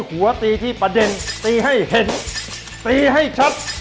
หัวตีที่ประเด็นตีให้เห็นตีให้ชัด